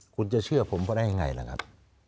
คุณจะเชื่อผมก็ได้ยังไงล่ะครับ